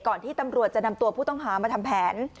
ที่ตำรวจจะนำตัวผู้ต้องหามาทำแผน